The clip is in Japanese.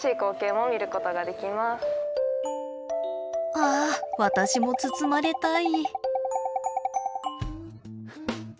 あ私も包まれたい。